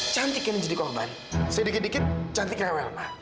cantik yang jadi korban sedikit sedikit cantik rewel ma